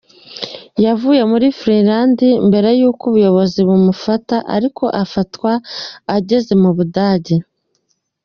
Yavuye muri Finland mbere y’uko ubuyobozi bumufata ariko afatwa ageze mu Budage.